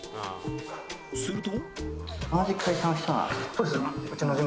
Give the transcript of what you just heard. すると